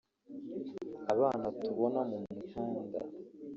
Abana tubona mu mihanda